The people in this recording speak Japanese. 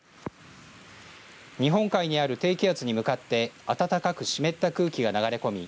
日本海にある低気圧に向かって暖かく湿った空気が流れ込み